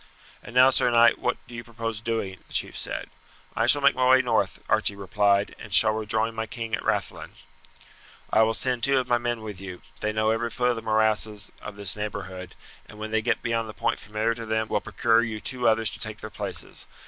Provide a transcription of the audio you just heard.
"And now, Sir Knight, what do you propose doing?" the chief said. "I shall make my way north," Archie replied, "and shall rejoin my king at Rathlin." "I will send two of my men with you. They know every foot of the morasses of this neighbourhood, and when they get beyond the point familiar to them will procure you two others to take their places.